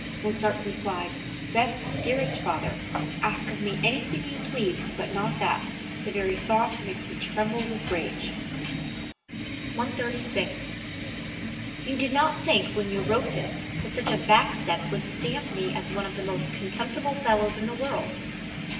Mozart replied: "Best, dearest father, ask of me anything you please but not that; the very thought makes me tremble with rage.") 136. "You did not think when you wrote this that such a back step would stamp me as one of the most contemptible fellows in the world.